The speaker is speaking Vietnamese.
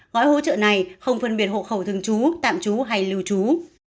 gói hỗ trợ này không phân biệt hộ khẩu thường trú tạm trú hay lưu trú